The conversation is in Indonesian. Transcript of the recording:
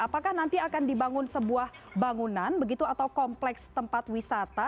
apakah nanti akan dibangun sebuah bangunan begitu atau kompleks tempat wisata